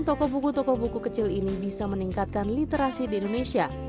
toko buku toko buku kecil ini bisa meningkatkan literasi di indonesia